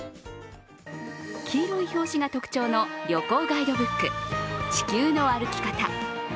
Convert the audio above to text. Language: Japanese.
黄色い表紙が特徴の旅行ガイドブック「地球の歩き方」。